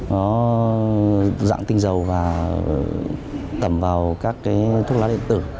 nó dạng tinh dầu và tẩm vào các cái thuốc lá điện tử